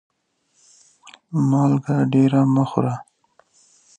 مالګه ډيره مه خوره